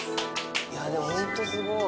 いやでもホントすごい。